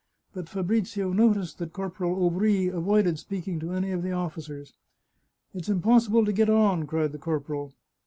But Fabrizio noticed that Corporal Aubry avoided speaking to any of the officers. " It's impossible to get on !" cried the corporal.